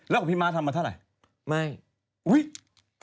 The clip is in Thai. แล้วก็พี่มาร์ททำมาเท่าไหร่